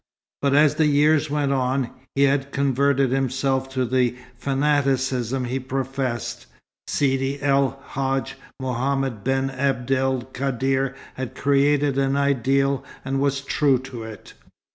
But as the years went on, he had converted himself to the fanaticism he professed. Sidi El Hadj Mohammed ben Abd el Kadr had created an ideal and was true to it.